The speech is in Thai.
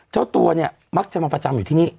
เจ้าตัวเนี่ยมักจะมาประจำอยู่ที่นี่